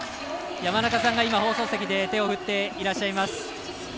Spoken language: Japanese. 山中さんが放送席で手を振っていらっしゃいます。